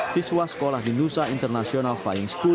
siswa sekolah di nusa international flying school